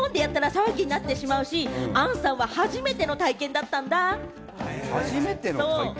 でも日本でやったら騒ぎになってしまうし、杏さんは初めての体験だったんだ。